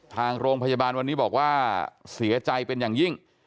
ทางโรงพยาบาลวันนี้บอกว่าเสียใจเป็นอย่างยิ่ง